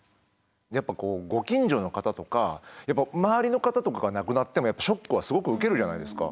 やっぱこうご近所の方とか周りの方とかが亡くなってもショックはすごく受けるじゃないですか。